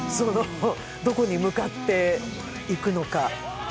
どこに向かっていくのか。